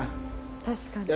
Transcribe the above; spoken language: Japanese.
確かに。